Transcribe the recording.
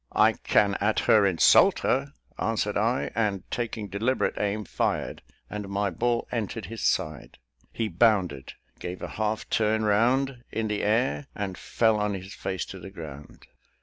"I can at her insulter," answered I; and, taking deliberate aim, fired, and my ball entered his side. He bounded, gave a half turn round in the air, and fell on his face to the ground.